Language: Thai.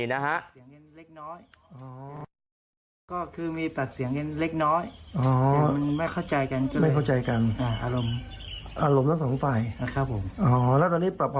อ๋อแล้วตอนนี้ปรับความเข้าใจกันแล้ว